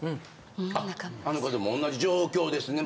あっあの方も同じ状況ですね。